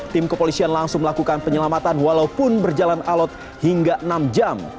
tim kepolisian langsung melakukan penyelamatan walaupun berjalan alat hingga enam jam